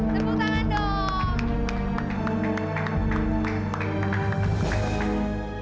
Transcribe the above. tepuk tangan dong